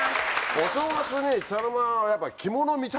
お正月に茶の間はやっぱ。